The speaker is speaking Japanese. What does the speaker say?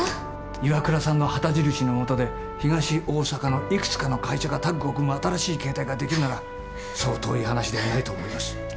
ＩＷＡＫＵＲＡさんの旗印のもとで東大阪のいくつかの会社がタッグを組む新しい形態ができるならそう遠い話ではないと思います。